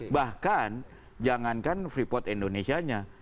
bahkan jangankan free port indonesia nya